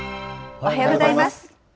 おはようございます。